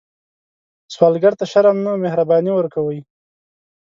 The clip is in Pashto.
سوالګر ته شرم نه، مهرباني ورکوئ